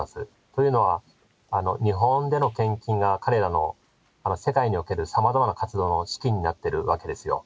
というのは、日本での献金が彼らの世界におけるさまざまな活動の資金になってるわけですよ。